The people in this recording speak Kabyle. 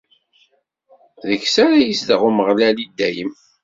Deg-s ara yezdeɣ Umeɣlal i dayem.